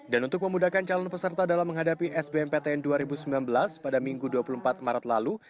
dan untuk memudahkan calon peserta dalam menghadapi sbmptn dua ribu sembilan belas pada minggu dua puluh empat maret lalu